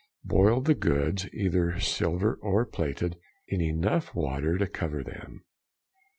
boil the goods, either silver or plated, in enough water to cover them.